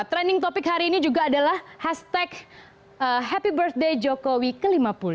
topik trending hari ini juga adalah hashtag happy birthday jokowi ke lima puluh lima